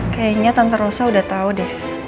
kayaknya tante rosa udah tahu deh